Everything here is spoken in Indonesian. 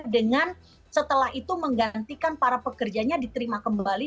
dengan setelah itu menggantikan para pekerjanya diterima kembali